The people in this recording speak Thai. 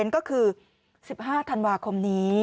ก็คือ๑๕ธันวาคมนี้